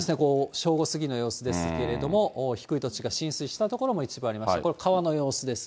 正午過ぎの様子ですけれども、低い土地が浸水した所も一部ありまして、これ、川の様子です。